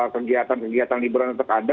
kegiatan kegiatan liburan tetap ada